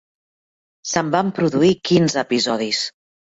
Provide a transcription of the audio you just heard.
Se'n van produir quinze episodis.